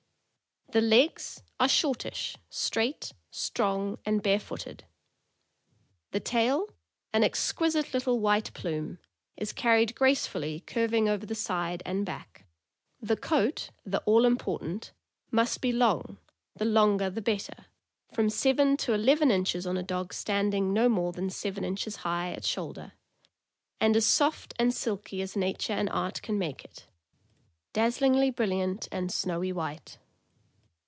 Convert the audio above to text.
The legs are shortish, straight, strong, and barefooted. The tail, an exquisite little white plume, is carried grace fully curving over the side and back. The coat, the all important, must be long — the longer the better — from seven to eleven inches on a dog standing no more than seven inches high at shoulder, and as soft and silky as nature and art can make it; dazzlingly brilliant and snowy white.